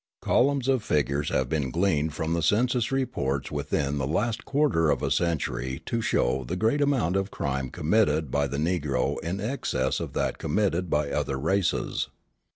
Columns of figures have been gleaned from the census reports within the last quarter of a century to show the great amount of crime committed by the Negro in excess of that committed by other races.